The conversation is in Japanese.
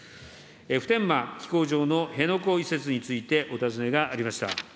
普天間飛行場の辺野古移設についてお尋ねがありました。